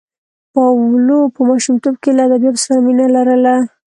پاولو په ماشومتوب کې له ادبیاتو سره مینه لرله.